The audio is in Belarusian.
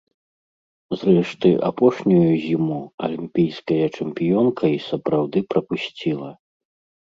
Зрэшты, апошнюю зіму алімпійская чэмпіёнка і сапраўды прапусціла.